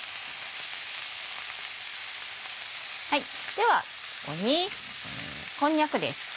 ではここにこんにゃくです。